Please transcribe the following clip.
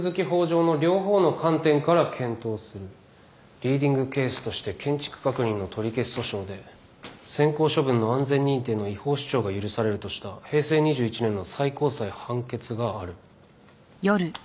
リーディングケースとして建築確認の取消訴訟で先行処分の安全認定の違法主張が許されるとした平成２１年の最高裁判決がある。